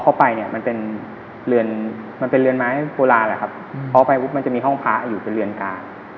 พอเข้าไปมันเป็นเรือนไม้โบราณออกไปมันจะมีห้องพ้าอยู่เป็นเรือนกา